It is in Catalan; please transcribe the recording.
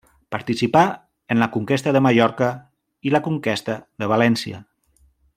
Participà en la Conquesta de Mallorca i la Conquesta de València.